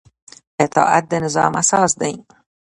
اطاعت د نظام اساس دی